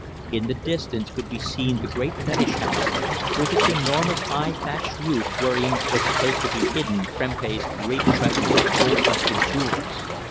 In the distance could be seen the great fetish house, with its enormous high thatched roof wherein was supposed to be hidden Prempeh's great treasures of gold dust and jewels.